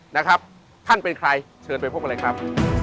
นะครับท่านเป็นใครเชิญไปพบกันเลยครับ